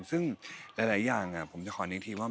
ซึ่งหลายอย่างผมจะขออีกทีว่า